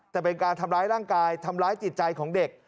แต่เป็นการทำร้ายร่างกายทำร้ายจิตใจของเด็ก